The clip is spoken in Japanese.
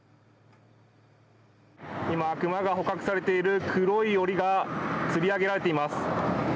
今、熊が捕獲されている黒いおりがつり上げられています。